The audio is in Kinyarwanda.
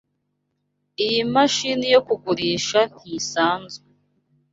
Iyi mashini yo kugurisha ntisanzwe.